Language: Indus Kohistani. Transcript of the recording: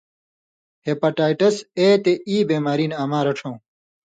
ہیپاٹائٹس اے تے ای بیماری نہ اما رڇھؤں